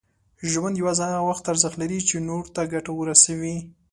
ژوند یوازې هغه وخت ارزښت لري، چې نور ته ګټه ورسوي.